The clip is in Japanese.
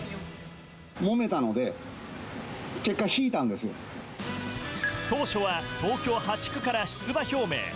もめたので、結果、引いたん当初は東京８区から出馬表明。